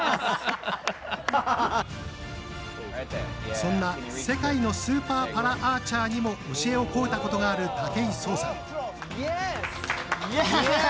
そんな世界のスーパーパラアーチャーにも教えを請うたことがある武井壮さん。